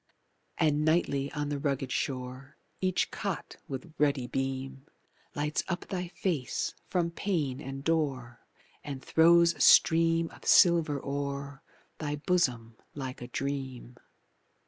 And nightly on the rugged shore Each cot with ruddy beam Lights up thy face from pane and door And throws a stream of silver o'er Thy bosom like a dream.